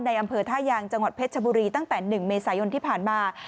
อำเภอท่ายางจังหวัดเพชรชบุรีตั้งแต่๑เมษายนที่ผ่านมา